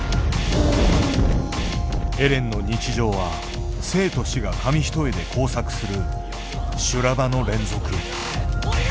エレンの日常は生と死が紙一重で交錯する修羅場の連続。